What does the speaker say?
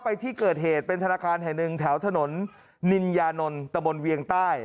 ไปที่เกิดเหตุเป็นธนาคารแห่งหนึ่งแถวถนนนินยานนท์ตะบนเวียงใต้